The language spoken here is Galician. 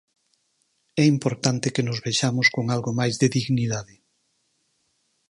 É importante que nos vexamos con algo máis de dignidade.